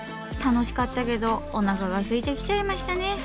楽しかったけどおなかがすいてきちゃいましたね。